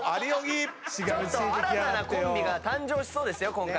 新たなコンビが誕生しそうですよ今回は。